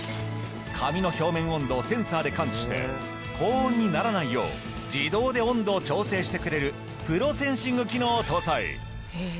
髪の表面温度をセンサーで感知して高温にならないよう自動で温度を調整してくれるプロセンシング機能を搭載！